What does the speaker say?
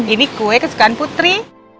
ini kue kesukaan putri